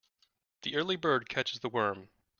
The early bird catches the worm.